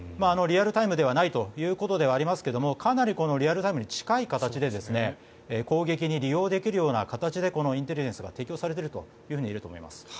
リアルタイムではないということではありますがかなりリアルタイムに近い形で攻撃に利用できるような形でこのインテリジェンスが適用されているといえると思います。